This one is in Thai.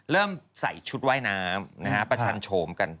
เริ่มใส่ชุดว่ายน้ำนะคะประชันโฉมกัน